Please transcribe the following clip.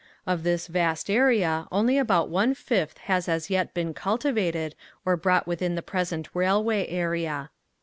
Of this vast area only about one fifth has as yet been cultivated or brought within the present railway area.